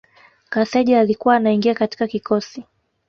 Kaseja alikuwa anaingia katika kikosi